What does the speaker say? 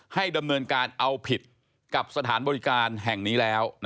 ให้ดำเนินการเอาผิดกับสถานบริการแห่งนี้แล้ว